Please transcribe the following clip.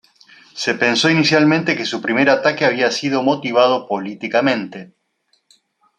Se pensó inicialmente que su primer ataque había sido motivado políticamente.